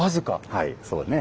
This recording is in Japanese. はいそうね。